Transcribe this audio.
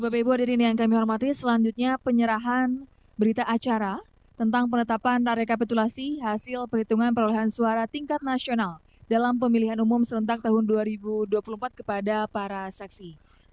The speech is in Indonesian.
bapak ibu hadirin yang kami hormati selanjutnya penyerahan berita acara tentang penetapan rekapitulasi hasil perhitungan perolehan suara tingkat nasional dalam pemilihan umum serentak tahun dua ribu dua puluh empat kepada para saksi